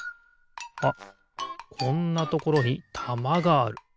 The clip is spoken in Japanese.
あっこんなところにたまがある。